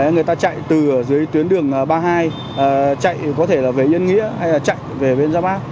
người ta chạy từ dưới tuyến đường ba mươi hai chạy có thể là về yên nghĩa hay là chạy về bên gia bác